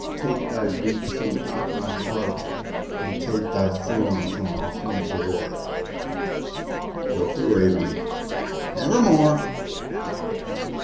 Take thy beak from out my heart, and take thy form from off my door!" Quoth the Raven, "Nevermore."